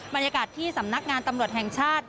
บรรยากาศที่สำนักงานตำรวจแห่งชาติ